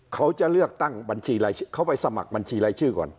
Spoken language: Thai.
เขาจะเลือกตั้งบัญชีไรเขาไปสมัครบัญชีไรชื่อก่อน